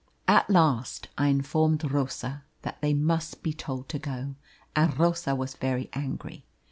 "At last I informed Rosa that they must be told to go, and Rosa was very angry.